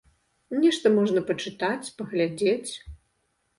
Нешта можна пачытаць, паглядзець.